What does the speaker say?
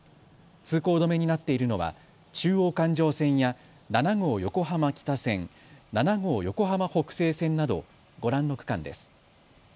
通行止めになっているのは中央環状線や７号横浜北線、７号横浜北西線などご覧の区間です。